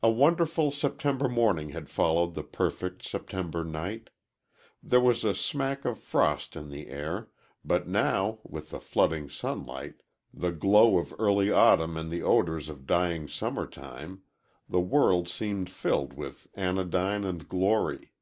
A wonderful September morning had followed the perfect September night. There was a smack of frost in the air, but now, with the flooding sunlight, the glow of early autumn and the odors of dying summer time, the world seemed filled with anodyne and glory.